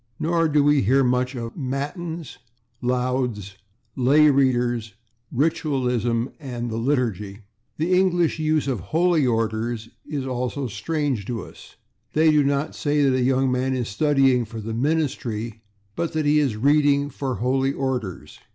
Nor do we hear much of /matins/, /lauds/, /lay readers/, /ritualism/ and the /liturgy/. The English use of /holy orders/ is also strange to us. They do not say that a young man is /studying for the ministry/, but that he is /reading for holy orders